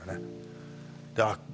あっ